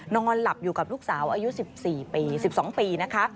นอนหลับอยู่กับลูกสาวอายุ๑๔ปี๑๒ปีนะคะ